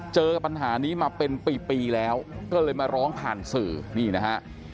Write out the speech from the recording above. เจอปัญหานี้มาเป็นปีแล้วก็เลยมาร้องผ่านสื่อนี่นะฮะ